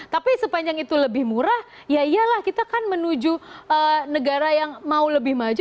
tapi sepanjang itu lebih murah ya iyalah kita kan menuju negara yang mau lebih maju